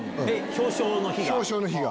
表彰の日が？